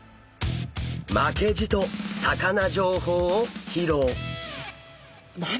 負けじと魚情報を披露！